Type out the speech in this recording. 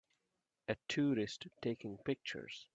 A tourist taking pictures.